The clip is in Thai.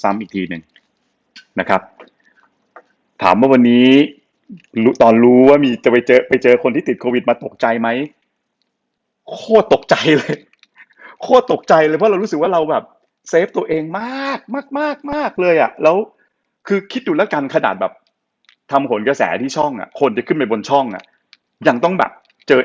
อีกทีหนึ่งนะครับถามว่าวันนี้รู้ตอนรู้ว่ามีจะไปเจอไปเจอคนที่ติดโควิดมาตกใจไหมโคตรตกใจเลยโคตรตกใจเลยเพราะเรารู้สึกว่าเราแบบเซฟตัวเองมากมากมากเลยอ่ะแล้วคือคิดดูแล้วกันขนาดแบบทำผลกระแสที่ช่องอ่ะคนจะขึ้นไปบนช่องอ่ะยังต้องแบบเจอ